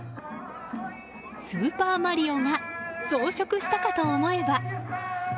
スーパーマリオが増殖したかと思えば。